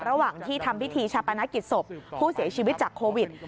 ระหว่างที่ทำพิธีชาปนกิจศพผู้เสียชีวิตจากโควิด